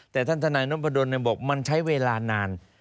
แต่ท่านธนายนประดนกเนี่ยบอกมันใช้เวลานาน